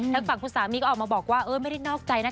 ทางฝั่งคุณสามีก็ออกมาบอกว่าเออไม่ได้นอกใจนะ